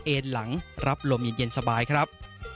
เอ็นหลังรับลมเย็นสบายครับ